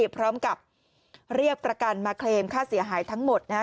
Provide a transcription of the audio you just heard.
พร้อมกับเรียกประกันมาเคลมค่าเสียหายทั้งหมดนะฮะ